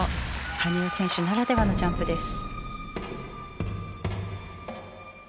羽生選手ならではのジャンプです。